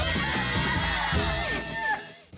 นักรับข่าวบ้านเมือง